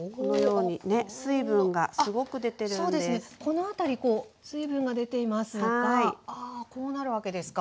この辺りこう水分が出ていますがあこうなるわけですか。